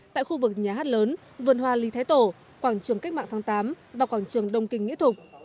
tại khu vực nhà hát lớn vườn hoa lý thái tổ quảng trường cách mạng tháng tám và quảng trường đông kinh nghĩa thục